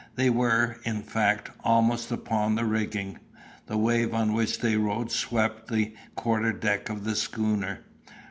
They were, in fact, almost upon the rigging. The wave on which they rode swept the quarter deck of the schooner.